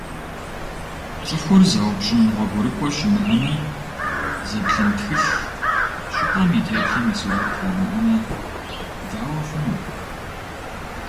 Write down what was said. ЦӀыхур зэупщӀын гъуэгурыкӀуэ щымыӀэмэ, зэплъын тхылъ, щӀыпӀэм и теплъэм и сурэт уимыӀэмэ, дауэ хъуну?